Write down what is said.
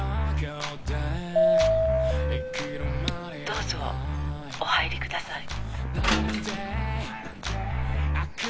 どうぞお入りください。